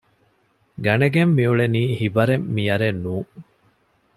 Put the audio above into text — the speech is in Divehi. ގަނެގެން މިއުޅެނީ ހިބަރެއް މިޔަރެއް ނޫން